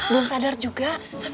belum sadar juga